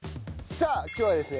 さあ今日はですね